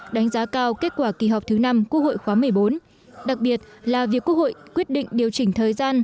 đánh giá cao kết quả kỳ họp thứ năm quốc hội khóa một mươi bốn đặc biệt là việc quốc hội quyết định điều chỉnh thời gian